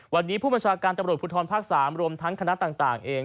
วันนี้ผู้บัญชาการตำรวจภูทรภาค๓รวมทั้งคณะต่างเอง